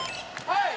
はい！